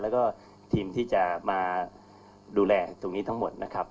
และทีมที่จะมาดูแลตรวจนี้ทั้งหมด